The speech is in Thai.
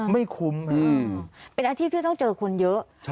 ไม่คุ้มเป็นอาชีพที่ต้องเจอคนเยอะ